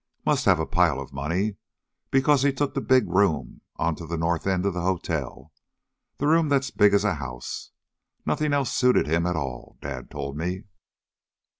Must have a pile of money, because he took the big room onto the north end of the hotel, the room that's as big as a house. Nothin' else suited him at all. Dad told me."